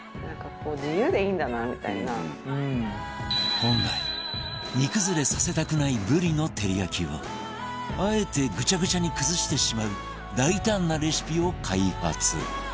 本来煮崩れさせたくないブリの照り焼きをあえてぐちゃぐちゃに崩してしまう大胆なレシピを開発